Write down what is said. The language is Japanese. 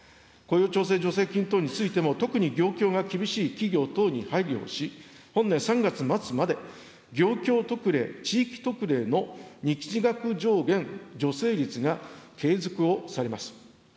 雇用調整助成金等についても、特に業況が厳しい企業等に配慮をし、本年３月末まで業況特例、地域特例の日額上限・助成率が継続をされます。